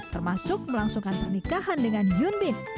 termasuk melangsungkan pernikahan dengan yoon bin